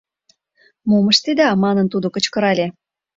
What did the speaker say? — Мом ыштеда?! — манын, тудо кычкырале.